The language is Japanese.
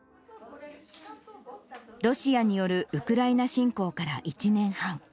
ロシアによるウクライナ侵攻から１年半。